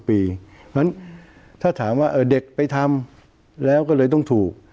เพราะฉะนั้นถ้าถามว่าเด็กไปทำแล้วก็เลยต้องถูก